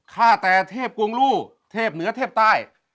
ฆ่าแต่เทพกวงลู่เทพเหนือเทพใต้